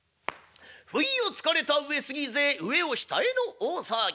「不意をつかれた上杉勢上を下への大騒ぎ。